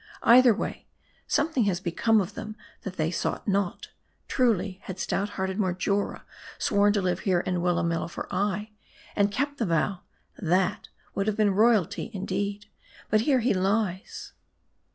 Either way, something Kas become of them that they sought not. 'Truly, had stout hearted Marjora sworn to live here in Willamilla for ay, and kept the "vow, that would have been royalty indeed ; but here he lies.